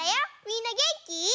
みんなげんき？